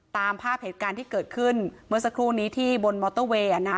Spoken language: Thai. ตามภาพเหตุการณ์ที่เกิดขึ้นเมื่อสักครู่นี้ที่บนมอเตอร์เวย์